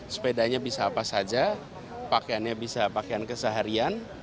sepedanya bisa apa saja pakaiannya bisa pakaian keseharian